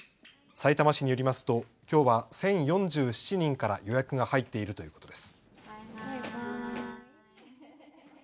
さいたま市によりますと、きょうは１０４７人から予約が入っているということです。